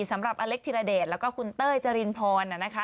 สำหรับอเล็กธิรเดชแล้วก็คุณเต้ยเจรินพรนะคะ